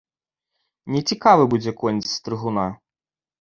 Нецікавы будзе конь з стрыгуна.